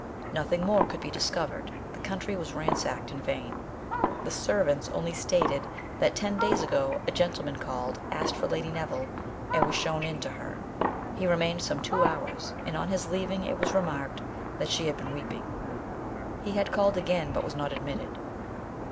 Nothing more could be discovered; the country was ransacked in vain. The servants only stated that ten days ago a gentleman called, asked for Lady Neville and was shown in to her; he remained some two hours, and on his leaving it was remarked that she had been weeping. He had called again hut was not admitted.